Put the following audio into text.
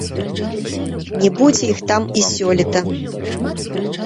Не будзе іх там і сёлета.